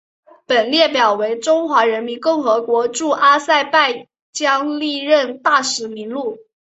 本列表为中华人民共和国驻阿塞拜疆历任大使名录。